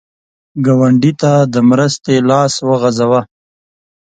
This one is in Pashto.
ګاونډي ته د مرستې لاس وغځوه